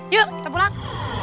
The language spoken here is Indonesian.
yuk kita pulang